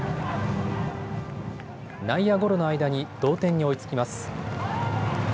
内野ゴロの間に同点に追いつきます。